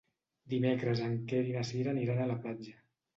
Dimecres en Quer i na Cira aniran a la platja.